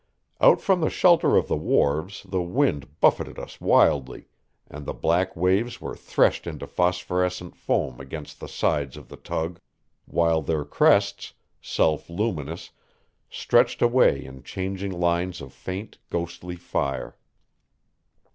Out from the shelter of the wharves the wind buffeted us wildly, and the black waves were threshed into phosphorescent foam against the sides of the tug, while their crests, self luminous, stretched away in changing lines of faint, ghostly fire.